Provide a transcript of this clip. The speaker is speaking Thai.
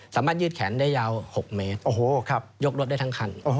สามารถยืดแขนได้ยาว๖เมตรยกรถได้ทั้งารถ